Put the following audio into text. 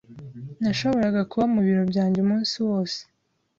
Nashoboraga kuba mu biro byanjye umunsi wose.